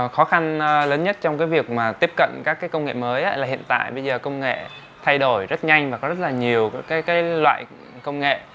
khó khăn lớn nhất trong việc tiếp cận các công nghệ mới là hiện tại công nghệ thay đổi rất nhanh và có rất nhiều loại công nghệ